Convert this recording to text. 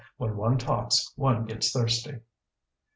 "When one talks one gets thirsty."